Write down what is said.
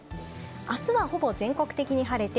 あすはほぼ全国的に晴れて、